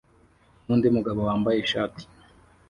nundi mugabo wambaye ishati